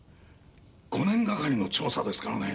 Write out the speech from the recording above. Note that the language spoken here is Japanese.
５年がかりの調査ですからねえ。